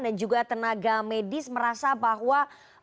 dan juga tenaga medis merasa bahwa